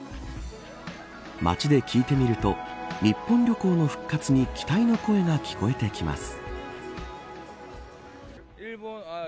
街で聞いてみると日本旅行の復活に期待の声が聞こえてきます。